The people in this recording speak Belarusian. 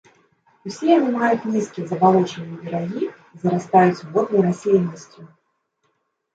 Усе яны маюць нізкія забалочаныя берагі і зарастаюць воднай расліннасцю.